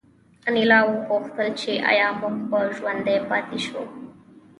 انیلا وپوښتل چې ایا موږ به ژوندي پاتې شو